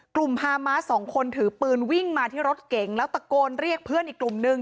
พามาสสองคนถือปืนวิ่งมาที่รถเก๋งแล้วตะโกนเรียกเพื่อนอีกกลุ่มนึง